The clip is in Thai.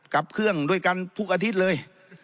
กลับเครื่องด้วยกันทุกอาทิตย์เลย